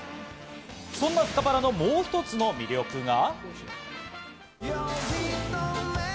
そんなスカパラのもう一つの魅力が。